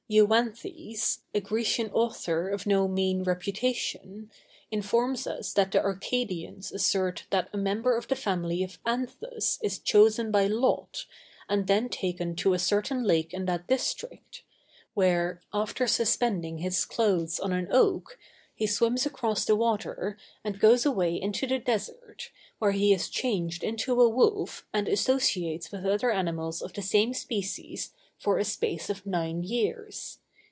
Euanthes, a Grecian author of no mean reputation, informs us that the Arcadians assert that a member of the family of Anthus is chosen by lot, and then taken to a certain lake in that district, where, after suspending his clothes on an oak, he swims across the water and goes away into the desert, where he is changed into a wolf and associates with other animals of the same species for a space of nine years.